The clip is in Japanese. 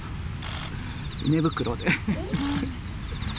寝袋で。